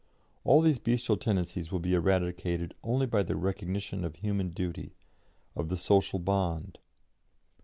All these bestial tendencies will be eradicated only by the recognition of human duty, of the social bond.